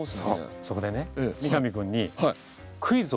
そこでね三上君にクイズを。